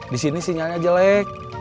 di sini sinyalnya jelek